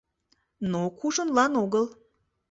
Но кужунлан огыл.